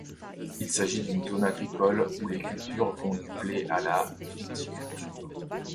Il s’agit d’une zone agricole où les cultures vont du blé à la viticulture.